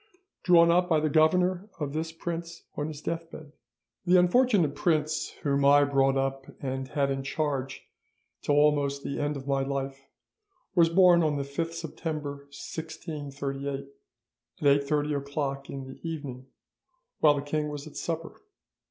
"'Drawn up by the Governor of this Prince on his deathbed. "'The unfortunate prince whom I brought up and had in charge till almost the end of my life was born on the 5th September 1638 at 8.30 o'clock in the evening, while the king was at supper.